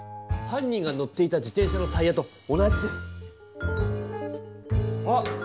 犯人が乗っていた自転車のタイヤと同じです！あっ！